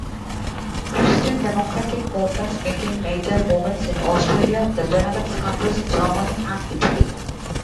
Christian democratic movements became major movements in Austria, the Benelux countries, Germany, and Italy.